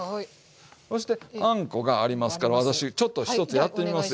そしてあんこがありますから私ちょっと一つやってみますよ。